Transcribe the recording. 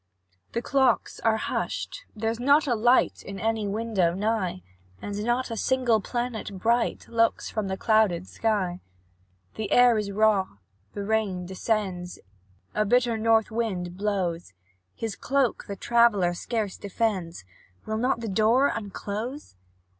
The clocks are hushed there's not a light In any window nigh, And not a single planet bright Looks from the clouded sky; The air is raw, the rain descends, A bitter north wind blows; His cloak the traveller scarce defends Will not the door unclose?